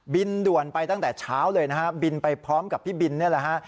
บินด่วนไปตั้งแต่เช้าเลยนะฮะบินไปพร้อมกับพี่บินนี่แหละฮะ